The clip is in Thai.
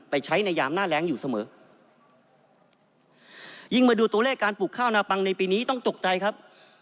ใช้ในยามหน้าแรงอยู่เสมอยิ่งมาดูตัวเลขการปลูกข้าวนาปังในปีนี้ต้องตกใจครับ